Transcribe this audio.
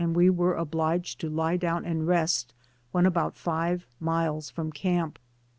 227 we were obliged to lie down and rest when about five miles from camp.